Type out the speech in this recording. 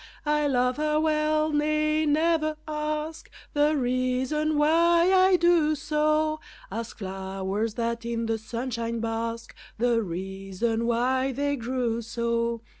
I love her well nay never ask The reason why I do so, Ask flowers that in the sunshine bask The reason why they grew so.